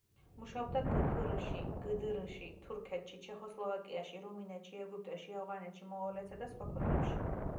მუშაობდა გფრ-ში, გდრ-ში, თურქეთში, ჩეხოსლოვაკიაში, რუმინეთში, ეგვიპტეში, ავღანეთში, მონღოლეთსა და სხვა ქვეყნებში.